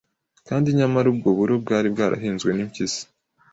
Kandi nyamara ubwo buro bwari bwarahinzwe n’impyisi,